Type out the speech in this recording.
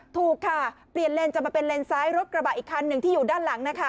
ถูกค่ะเปลี่ยนเลนจะมาเป็นเลนซ้ายรถกระบะอีกคันหนึ่งที่อยู่ด้านหลังนะคะ